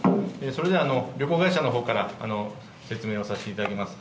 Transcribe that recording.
それでは旅行会社のほうから説明をさせていただきます。